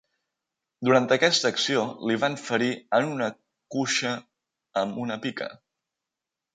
Durant aquesta acció, li van ferir en una cuixa amb una pica.